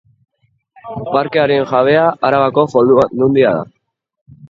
Parkearen jabea Arabako Foru Aldundia da.